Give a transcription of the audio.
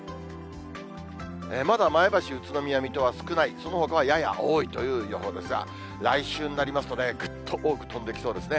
まだ前橋、宇都宮、水戸は少ない、そのほかはやや多いという予報ですが、来週になりますとね、ぐっと多く飛んできそうですね。